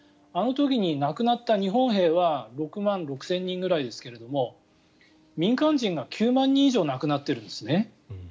あの時に亡くなった日本兵は６万６０００人くらいですが民間人が９万人以上亡くなっているんです。